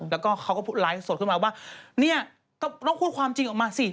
แล้วก็เขาก็ไลฟ์สดขึ้นมาว่าเนี่ยก็ต้องพูดความจริงออกมาสิ